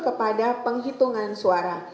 kepada penghitungan suara